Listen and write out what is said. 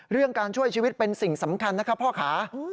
เรื่องการช่วยชีวิตเป็นสิ่งสำคัญนะครับพ่อขา